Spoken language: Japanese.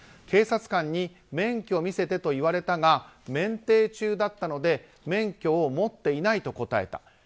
警察官に免許見せてと言われたが免停中だったので免許を持っていないと答えた。